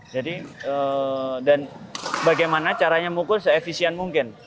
jadi dan bagaimana caranya mukul seefisien mungkin